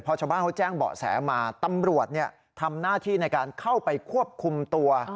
พอชาวบ้านเขาแจ้งเบาะแสมาตำรวจทำหน้าที่ในการเข้าไปควบคุมตัว